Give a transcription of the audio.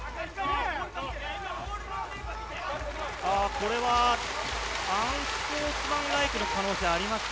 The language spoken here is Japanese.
これはアンスポーツマンライクの可能性がありますか？